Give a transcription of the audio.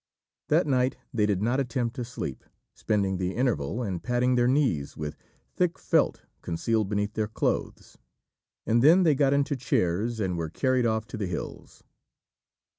That night they did not attempt to sleep, spending the interval in padding their knees with thick felt concealed beneath their clothes; and then they got into chairs and were carried off to the hills.